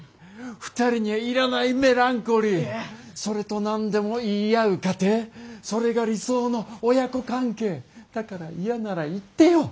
２人にはいらないメランコリーそれとなんでも言い合う家庭それが理想の親子関係だから嫌なら言ってよ